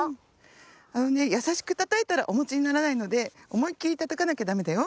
あのねやさしくたたいたらおもちにならないのでおもいっきりたたかなきゃダメだよ。